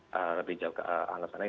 lebih jauh ke angka